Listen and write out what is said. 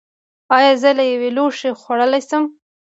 ایا زه له یو لوښي خوړلی شم؟